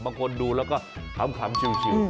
บางคนดูแล้วก็ขำชิว